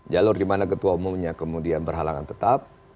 jalur dimana ketua umumnya kemudian berhalangan tetap